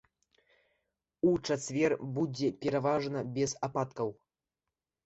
У чацвер будзе пераважна без ападкаў.